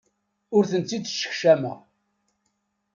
Ur tent-id-ssekcameɣ.